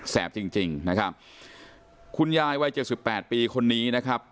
แสบจริงนะครับคุณยายวัย๗๘ปีคนนี้นะครับ